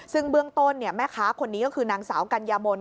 ซึ่งเบื้องต้นแม่ค้าคนนี้ก็คือนางสาวกัญญามน